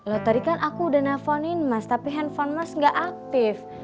loh tadi kan aku udah nelfonin mas tapi handphone mas gak aktif